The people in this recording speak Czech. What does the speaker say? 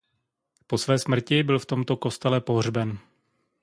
Po své smrti byl v tomto kostele pohřben.